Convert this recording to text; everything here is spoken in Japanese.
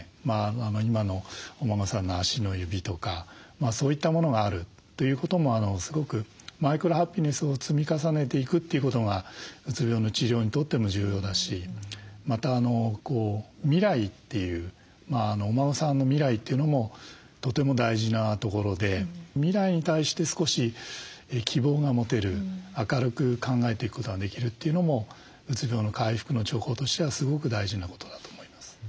今のお孫さんの足の指とかそういったものがあるということもすごくマイクロハピネスを積み重ねていくということがうつ病の治療にとっても重要だしまた未来というお孫さんの未来というのもとても大事なところで未来に対して少し希望が持てる明るく考えていくことができるというのもうつ病の回復の兆候としてはすごく大事なことだと思います。